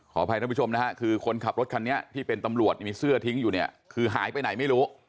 อภัยท่านผู้ชมนะฮะคือคนขับรถคันนี้ที่เป็นตำรวจมีเสื้อทิ้งอยู่เนี่ยคือหายไปไหนไม่รู้